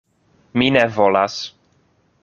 Mi ne volas.